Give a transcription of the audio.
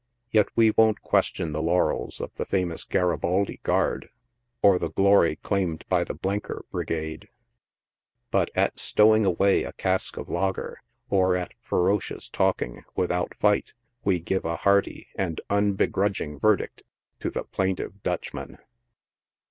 Yet we won't question the laurels of the famous Garibaldi Guard, or the glory claimed by the Blencker Bri gade ; but at stowing away a cask of lager, or at ferocious talking, without figh',wo give a hearty and unbegrudging verdict to the plaintive Dutchman.